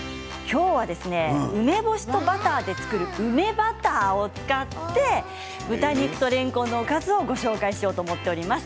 梅干しとバターで作る梅バターを使って豚肉とれんこんのおかずをご紹介しようと思っております。